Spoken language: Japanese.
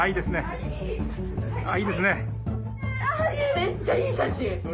めっちゃいい写真